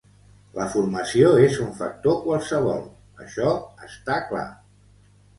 La formació és un factor qualsevol, això està clar.